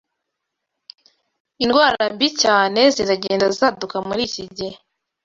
Indwara mbi cyane ziragenda zaduka muri iki gihe